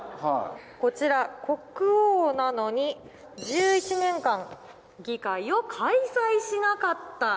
こちら国王なのに１１年間議会を開催しなかった。